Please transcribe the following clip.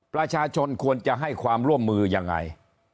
ประชาชนควรจะให้ความร่วมมือยังไง